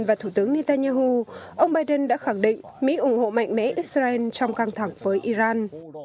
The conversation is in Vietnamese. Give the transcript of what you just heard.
và thủ tướng netanyahu ông biden đã khẳng định mỹ ủng hộ mạnh mẽ israel trong căng thẳng với iran